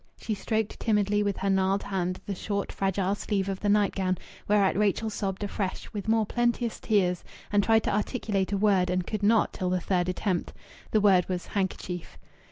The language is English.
She stroked timidly with her gnarled hand the short, fragile sleeve of the nightgown, whereat Rachel sobbed afresh, with more plenteous tears, and tried to articulate a word, and could not till the third attempt. The word was "handkerchief."